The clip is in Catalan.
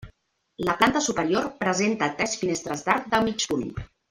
La planta superior presenta tres finestres d'arc de mig punt.